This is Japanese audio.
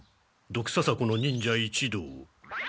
ドクササコの忍者一同」。